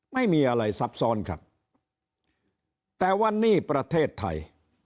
ไม่มีอะไรซับซ้อนครับแต่วันนี้ประเทศไทย